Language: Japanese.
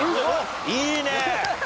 いいね！